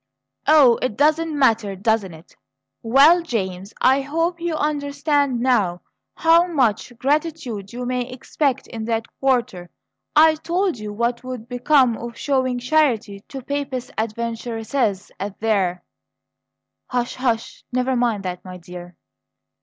"Oh, it doesn't matter, doesn't it? Well, James, I hope you understand now how much gratitude you may expect in that quarter. I told you what would come of showing charity to Papist adventuresses and their " "Hush, hush! Never mind that, my dear!"